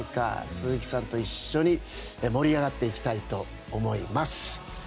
鈴木さんと一緒に盛り上がっていきたいと思います。